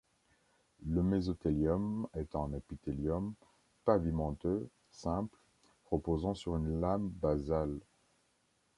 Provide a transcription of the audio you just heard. Le mésothélium est un épithélium pavimenteux simple reposant sur une lame basale.